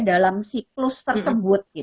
dalam siklus tersebut